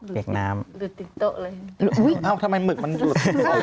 หลุดติ๊กโต๊ะเลยโอ้ยทำไมหมึกมันหลุด